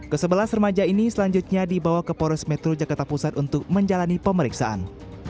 kesebelas remaja ini selanjutnya dibawa ke pores metro jakarta pusat untuk menjalani pemeriksaan